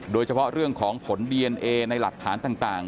โดยเฉพาะเรื่องของผลดีเอนเอในหลักฐานต่าง